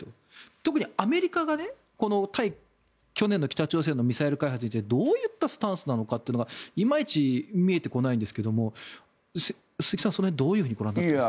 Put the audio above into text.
特にアメリカが、去年の北朝鮮のミサイル開発についてどういったスタンスなのかがいまいち見えてこないんですが鈴木さん、その辺はどうご覧になっていますか？